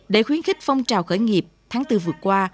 để khuyến khích phong trào khởi nghiệp tháng bốn vừa qua